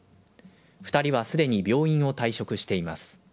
２人はすでに病院を退職しています。